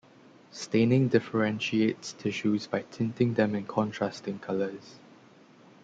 Staining differentiates tissues by tinting them in contrasting colours.